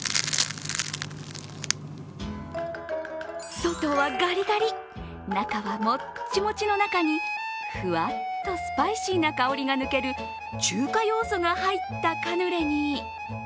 外はガリガリ、中はモチモチの中にふわっとスパイシーな香りが抜ける中華要素が入ったカヌレに。